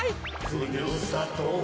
「ふるさとは」